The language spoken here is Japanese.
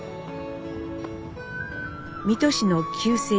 水戸市の旧制